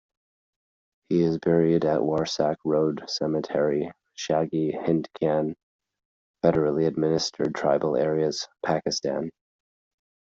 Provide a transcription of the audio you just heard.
He is buried at Warsak Road Cemetery, Shagi Hindkyan, Federally Administered Tribal Areas, Pakistan.